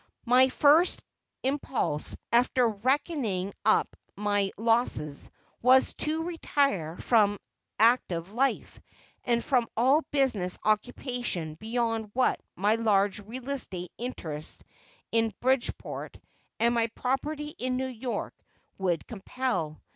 My first impulse, after reckoning up my losses, was to retire from active life and from all business occupation beyond what my large real estate interests in Bridgeport, and my property in New York would compel.